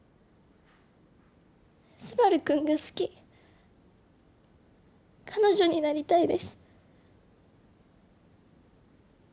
スバルくんが好き彼女になりたいです